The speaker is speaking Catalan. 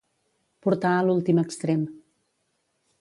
Portar a l'últim extrem.